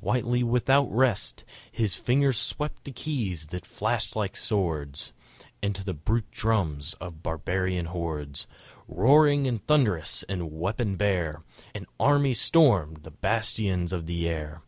Whitely without rest, His fingers swept the keys that flashed like swords, ... And to the brute drums of barbarian hordes, Roaring and thunderous and weapon bare, An army stormed the bastions of the air!